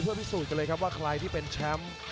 โปรดติดตามต่อไป